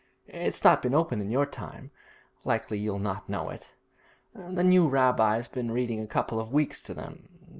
It's not been open in your time; likely you'll not know it. The new rabbi's been reading a couple of weeks to them.